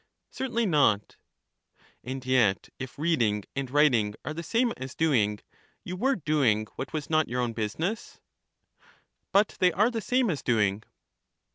Certainly not. And yet, if reading and writing are the same as doing, you were doing what was not your own busi ness? But they are the same as doing.